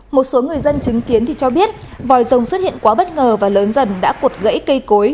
một số người dân chứng kiến thì cho biết vòi rồng xuất hiện quá bất ngờ và lớn dần đã cuột gãy cây cối